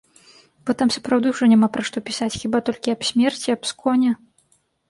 Бо там сапраўды ўжо няма пра што пісаць, хіба толькі аб смерці, аб сконе.